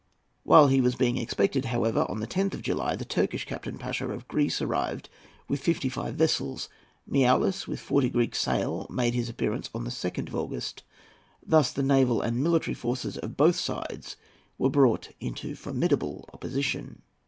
While he was being expected, however, on the 10th of July, the Turkish Capitan Pasha of Greece arrived with fifty five vessels. Miaoulis, with forty Greek sail, made his appearance on the 2nd of August. Thus the naval and military forces of both sides were brought into formidable opposition.